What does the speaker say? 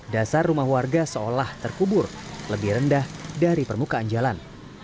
dasar rumah warga seolah terkubur lebih rendah dari permukaan jalan